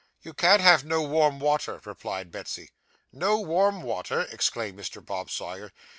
'You can't have no warm water,' replied Betsy. 'No warm water!' exclaimed Mr. Bob Sawyer.